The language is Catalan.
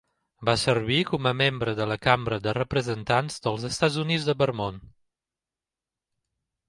Va servir com a membre de la Cambra de Representants dels Estats Units de Vermont.